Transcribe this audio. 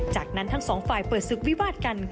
จากนั้นทั้งสองฝ่ายเปิดศึกวิวาดกัน